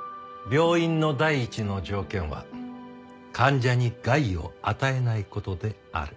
「病院の第一の条件は患者に害を与えないことである」。